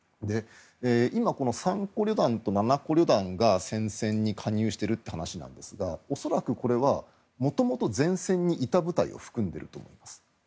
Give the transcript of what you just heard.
今、３個旅団と７個旅団が戦線に加入してるという話なんですが恐らくこれは元々前線にいた部隊を含んでいると思います。